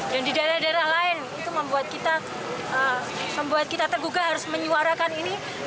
dan di daerah daerah lain itu membuat kita tergugah harus menyuarakan ini